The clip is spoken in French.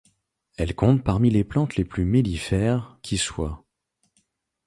Elle compte parmi les plantes les plus mellifères qui soient.